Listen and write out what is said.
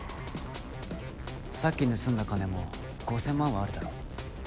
さっき盗んだ金も５０００万はあるだろ。